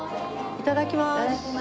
いただきます。